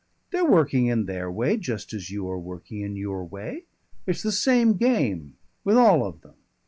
They're working in their way, just as you are working in your way. It's the same game with all of them.